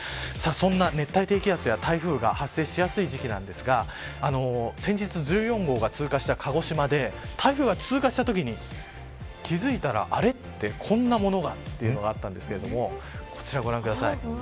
そんな熱帯低気圧や台風が発生しやすい時期なんですが先月、１４号が通過した鹿児島で台風が通過したときに気付いたらあれとこんなものがというのがあったんですけどこちら、ご覧ください。